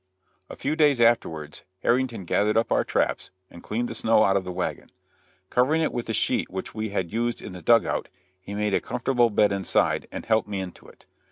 A few days afterwards Harrington gathered up our traps, and cleaned the snow out of the wagon. Covering it with the sheet which we had used in the dug out, he made a comfortable bed inside, and helped me into it.